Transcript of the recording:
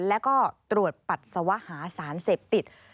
แล้วก็ตรวจปัสสาวะหาสารเสพติด